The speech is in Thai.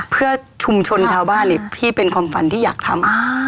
เพื่อชุมชนชาวบ้านเนี่ยพี่เป็นความฝันที่อยากทำ